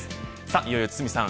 いよいよ堤さん